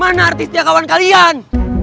mana arti setiap kawan kalian